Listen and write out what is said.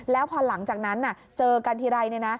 แล้วพอหลังจากนั้นเจอกันทีไร